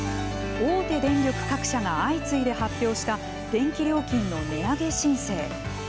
大手電力各社が相次いで発表した、電気料金の値上げ申請。